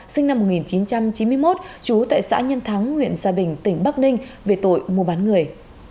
sinh năm một nghìn chín trăm chín mươi một trú tại xã nhân thắng huyện gia bình tỉnh bắc ninh về tội mua bán người